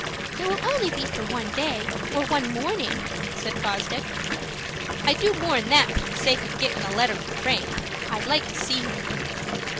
"It will be only for one day, or one morning," said Fosdick. "I'd do more'n that for the sake of gettin' a letter from Frank. I'd like to see him."